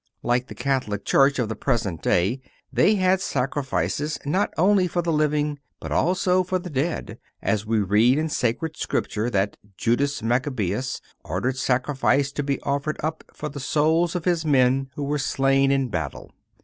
Like the Catholic Church of the present day, they had sacrifices not only for the living, but also for the dead; for we read in Sacred Scripture that Judas Machabeus ordered sacrifice to be offered up for the souls of his men who were slain in battle.